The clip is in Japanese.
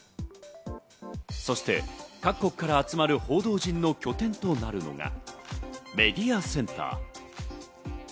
そして各国から集まる報道陣の拠点となるのがメディアセンター。